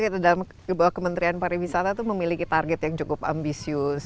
kita bahwa kementerian pariwisata itu memiliki target yang cukup ambisius